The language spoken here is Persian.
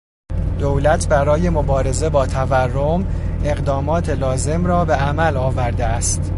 دولت برای مبارزه با تورم اقدامات لازم را به عمل آورده است.